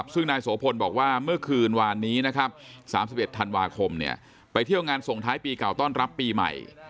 ซึ่งนายโสพลบอกว่าเมื่อคืนวานนี้นะครับ๓๑ธันวาคมไปเที่ยวงานส่งท้ายปีเก่าต้อนรับปีใหม่